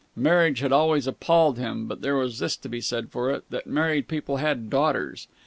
Marriage had always appalled him, but there was this to be said for it, that married people had daughters.